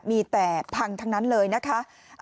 มีแต่พังทั้งนั้นเลยนะคะ